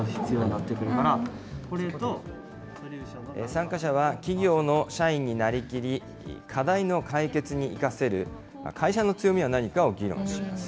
参加者は、企業の社員になりきり、課題の解決に生かせる会社の強みは何かを議論します。